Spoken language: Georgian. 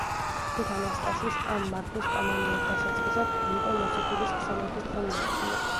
თვით ანასტასის ამ მარხვის კანონიერ დასაწყისად ფილიპე მოციქულის ხსენების დღე მიაჩნია.